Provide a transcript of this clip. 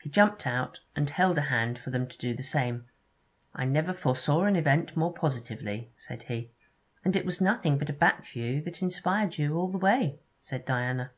He jumped out, and held a hand for them to do the same. 'I never foresaw an event more positively,' said he. 'And it was nothing but a back view that inspired you all the way,' said Diana.